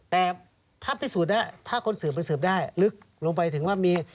แต่ถ้าพิสูจน์ได้ถ้าคนสืบมันสืบได้ลึกลงไปถึงว่ามี